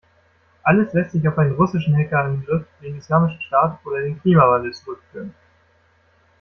Alles lässt sich auf einen russischen Hackerangriff, den Islamischen Staat oder den Klimawandel zurückführen.